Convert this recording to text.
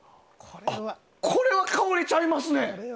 これは香りちゃいますね。